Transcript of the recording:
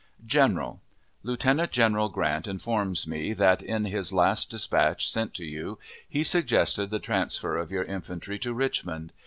GENERAL: Lieutenant General Grant informs me that, in his last dispatch sent to you, he suggested the transfer of your infantry to Richmond.